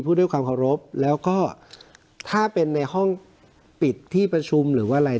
ด้วยความเคารพแล้วก็ถ้าเป็นในห้องปิดที่ประชุมหรือว่าอะไร